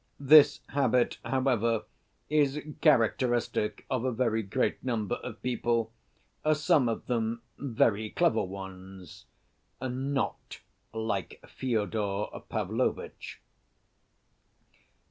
This habit, however, is characteristic of a very great number of people, some of them very clever ones, not like Fyodor Pavlovitch.